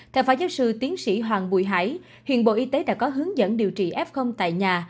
theo phó giáo sư tiến sĩ hoàng bùi hải hiện bộ y tế đã có hướng dẫn điều trị f tại nhà